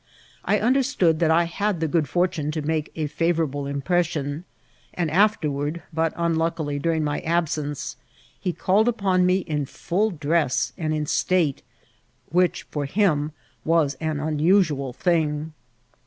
J understood that I had the good fortune to make a fa vourable impression; and afterward, but, unluckily, during my absence, he called upon me in full dress and in state, which for him was an unusual thing.